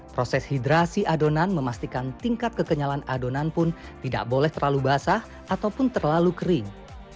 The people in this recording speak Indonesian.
proses hidrasi adonan memastikan tingkat kekenyalan adonan pun tidak boleh terlalu basah ataupun terlalu kering